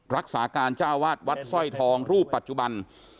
รักษาการเจ้าวาดวัดสร้อยทองรูปปัจจุบัน